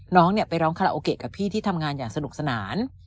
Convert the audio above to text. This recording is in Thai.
น้องไปร้องคาราโอเกะกับพี่ที่ทำงานอย่างสนุกสนาน